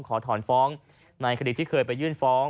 ขอถอนฟ้องในคดีที่เคยไปยื่นฟ้อง